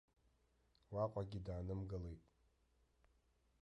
Уаҟагьы даанымгылеит.